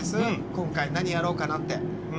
今回、何やろうかなって。